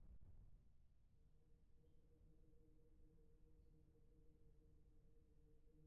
নাট্যশালা থেকে বেরিয়ে কর্তৃপক্ষের অনুমতি নিয়ে ঢুকে পড়ি পরীক্ষণ থিয়েটার মিলনায়তনে।